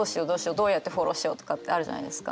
どうやってフォローしようとかってあるじゃないですか。